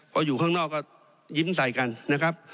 พออยู่ข้างนอกก็ยิ้มใส่กันนะครับ